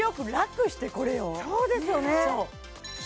そうですよね